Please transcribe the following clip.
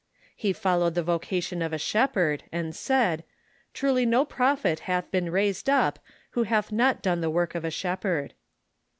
He followed the vocation of a shepherd, and said :" Truly no prophet hath been raised up who hath not done the work of a shepherd."